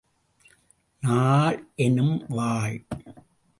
நாள் எனும் வாள்!